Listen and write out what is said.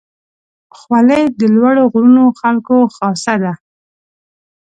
خولۍ د لوړو غرونو خلکو خاصه ده.